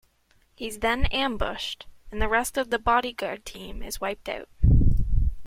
He's then ambushed, and the rest of the bodyguard team is wiped out.